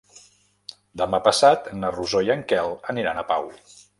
Demà passat na Rosó i en Quel aniran a Pau.